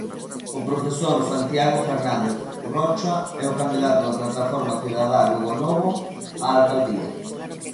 O profesor Santiago Fernández Rocha é o candidato da plataforma cidadá Lugonovo á alcaldía.